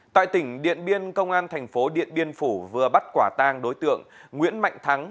tại tỉnh điện biên công an thành phố điện biên phủ vừa bắt quả tang đối tượng nguyễn mạnh thắng